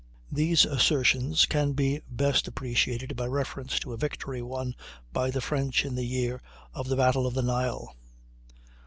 These assertions can be best appreciated by reference to a victory won by the French in the year of the Battle of the Nile.